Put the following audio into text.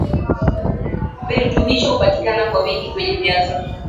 Virutubisho hupatika kwa wingi kwenye viazi